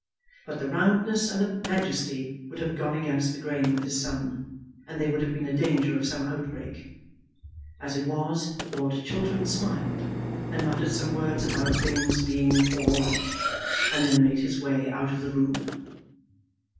But the roundness and the majesty would have gone against the grain with his son, and there would have been a danger of some outbreak. As it was, Lord Chiltern smiled, and muttered some word about things being "all right," and then made his way out of the room.